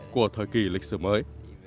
của thời kỳ lịch sử mới